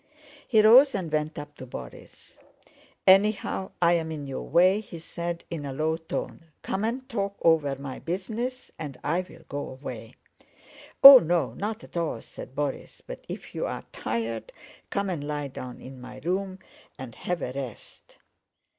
He rose and went up to Borís. "Anyhow, I'm in your way," he said in a low tone. "Come and talk over my business and I'll go away." "Oh, no, not at all," said Borís. "But if you are tired, come and lie down in my room and have a rest."